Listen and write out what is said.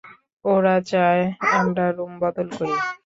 ওরা চায় আমরা রুম বদল করি।